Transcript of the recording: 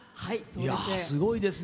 すごいですね。